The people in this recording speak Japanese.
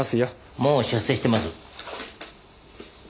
もう出世してます。